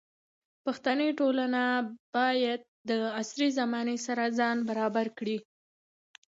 پښتني ټولنه باید د عصري زمانې سره ځان برابر کړي.